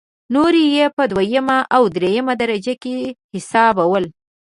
نور یې په دویمه او درېمه درجه کې حسابول.